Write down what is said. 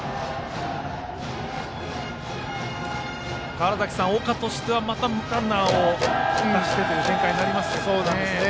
川原崎さん、岡としてはまたランナーを出してという展開になりますね。